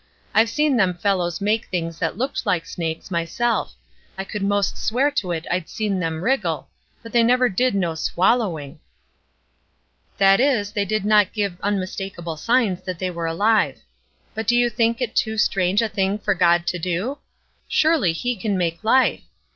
I've seen them fellows make things that looked like snakes, myself; I could most swear to it that I'd seen them wriggle; but they never did no swallowing." "That is, they did not give unmistakable signs that they were alive. But do you think it too strange a thing for God to do? Surely he can make life!